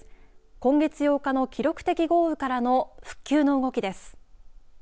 今月８日の記録的豪雨からの復旧の動きです。